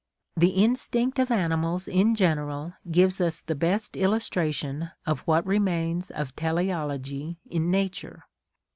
The instinct of animals in general gives us the best illustration of what remains of teleology in nature.